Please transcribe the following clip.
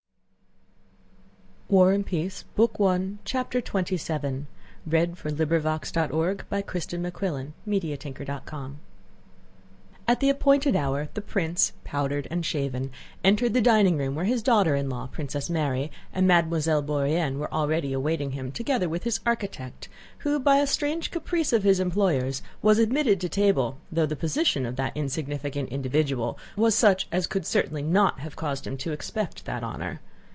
e old man repeated, meditatively and rapidly: "Dieu sait quand reviendra. Go to the dining room." CHAPTER XXVII At the appointed hour the prince, powdered and shaven, entered the dining room where his daughter in law, Princess Mary, and Mademoiselle Bourienne were already awaiting him together with his architect, who by a strange caprice of his employer's was admitted to table though the position of that insignificant individual was such as could certainly not have caused him to expect that honor.